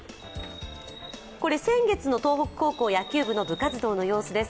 これは先月の東北高校野球部の部活動の様子です。